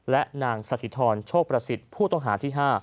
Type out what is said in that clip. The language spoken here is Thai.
และนางสถิธรโชคประสิทธิ์ผู้ต้องหาที่๕